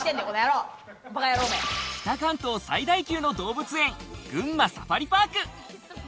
北関東最大級の動物園、群馬サファリパーク。